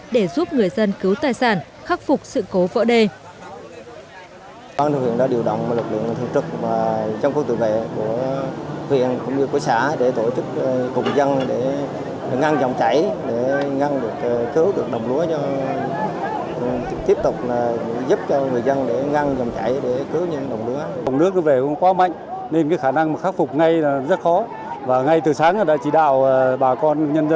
để giúp người dân cứu tài sản khắc phục sự cố vỡ đê